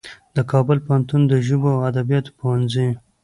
د کابل پوهنتون د ژبو او ادبیاتو پوهنځي